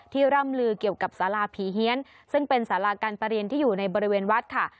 ร่ำลือเกี่ยวกับสาราผีเฮียนซึ่งเป็นสาราการประเรียนที่อยู่ในบริเวณวัดค่ะ